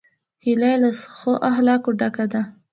هیلۍ له ښو اخلاقو ډکه ده